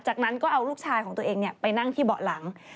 จากนั้นก็เอาลูกชายของตัวเองไปนั่งที่เบาะหลัง